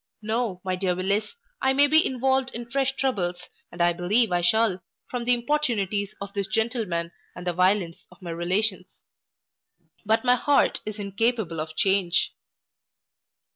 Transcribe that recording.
No, my dear Willis, I may be involved in fresh troubles, and I believe I shall, from the importunities of this gentleman and the violence of my relations; but my heart is incapable of change.